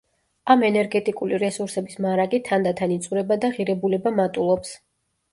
ამ ენერგეტიკული რესურსების მარაგი თანდათან იწურება და ღირებულება მატულობს.